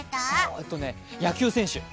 えっとね野球選手。